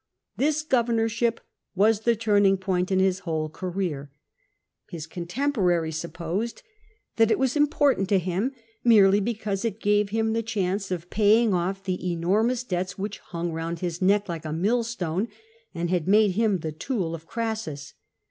This governorship was the turning point in his whole career : his contemporaries supposed that it was important to him merely because it gave him the chance of paying off the enormous debts which hung round his neck like a mill stone, and had made him the tool of Crassus.